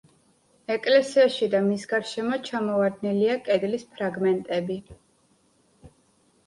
ეკლესიაში და მის გარშემო ჩამოვარდნილია კედლის ფრაგმენტები.